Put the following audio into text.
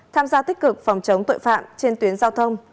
tham gia tích cực phòng chống tội phạm trên tuyến giao thông